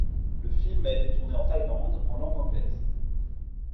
Le film a été tourné en Thaïlande en langue anglaise.